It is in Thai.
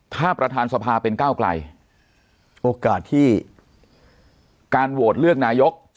ถ้าประธานสภาเป็นก้าวไกลโอกาสที่การโหวตเลือกนายก